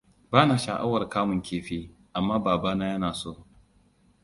Bana sha'awar kamun kifi, amma babana yana so.